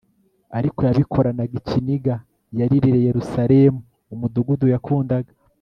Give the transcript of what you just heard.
ariko yabikoranagikiniga Yaririye Yerusalemu umudugudu yakundaga